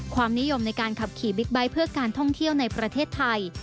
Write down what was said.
ความนิยมในการขับขี่บิ๊กไบท์เพื่อการท่องเที่ยวในประเทศไทย